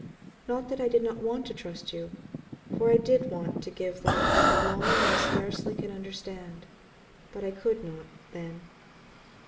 Not that I did not want to trust you, for I did want to give that with a longing you scarcely can understand; but I could not, then.